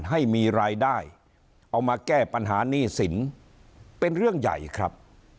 ให้มีรายได้เอามาแก้ปัญหาหนี้สินเป็นเรื่องใหญ่ครับ